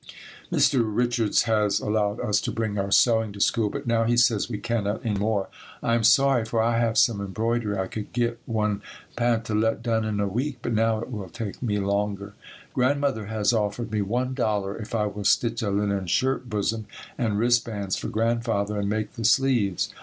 Mr. Richards has allowed us to bring our sewing to school but now he says we cannot any more. I am sorry for I have some embroidery and I could get one pantalette done in a week, but now it will take me longer. Grandmother has offered me one dollar if I will stitch a linen shirt bosom and wrist bands for Grandfather and make the sleeves.